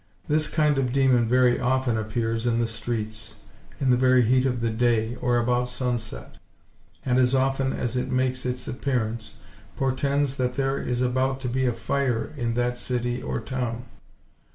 This kind of demon very often appears in the streets, in the very heat of the day, or about sunset; and as often as it makes its appearance, portends that there is about to be a fire in that city or town.